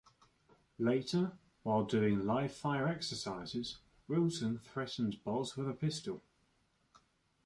Later, while doing live fire exercises, Wilson threatens Bozz with a pistol.